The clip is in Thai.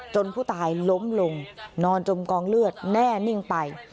ผู้ตายล้มลงนอนจมกองเลือดแน่นิ่งไป